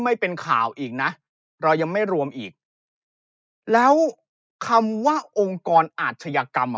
ไม่เป็นข่าวอีกนะเรายังไม่รวมอีกแล้วคำว่าองค์กรอาชญากรรมอ่ะ